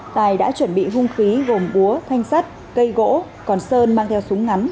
tài đã chuẩn bị hung khí gồm búa thanh sắt cây gỗ còn sơn mang theo súng ngắn